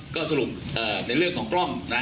ก็สรุปในเรื่องของกล้องนะ